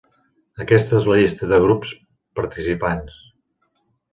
Aquesta és la llista de grups participants.